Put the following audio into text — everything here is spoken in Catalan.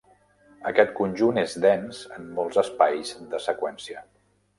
Aquest conjunt és dens en molts espais de seqüència.